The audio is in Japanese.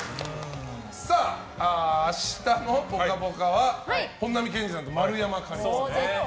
明日の「ぽかぽか」は本並健治さんと丸山桂里奈さん。